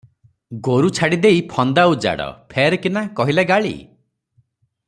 ଗୋରୁ ଛାଡ଼ିଦେଇ ଫନ୍ଦା ଉଜାଡ଼, ଫେର କିନା - କହିଲେ ଗାଳି?